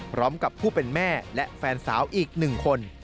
พร้อมกับผู้เป็นแม่และแฟนสาวอีก๑คน